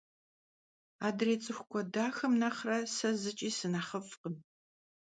Adrêy ts'ıxu k'uedaxem nexhre se zıç'i sınexhıf'khım.